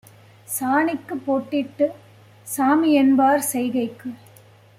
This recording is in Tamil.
சாணிக்குப் பொட்டிட்டுச் சாமிஎன்பார் செய்கைக்கு